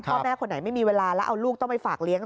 พ่อแม่คนไหนไม่มีเวลาแล้วเอาลูกต้องไปฝากเลี้ยง